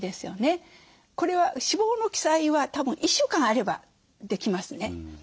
これは死亡の記載はたぶん１週間あればできますね。